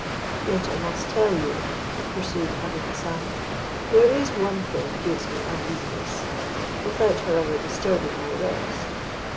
Yet I must tell you," pursued Abou Hassan, "there is one thing gives me uneasiness, without, however, disturbing my rest.